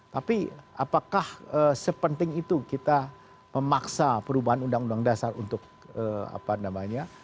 tapi apakah sepenting itu kita memaksa perubahan undang undang dasar untuk apa namanya